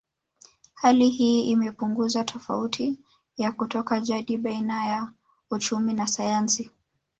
Hali hii imepunguza tofauti ya kutoka jadi baina ya uchumi na sayansi